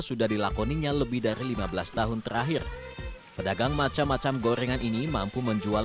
sudah dilakoninya lebih dari lima belas tahun terakhir pedagang macam macam gorengan ini mampu menjual